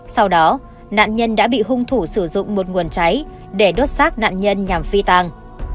sau đó nạn nhân đã bị hung thủ sử dụng một nguồn cháy để đốt xác nạn nhân nhằm phi tàng